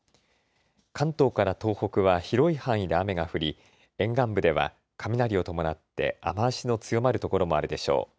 関東から東北は広い範囲で雨が降り沿岸部では雷を伴って雨足の強まる所もあるでしょう。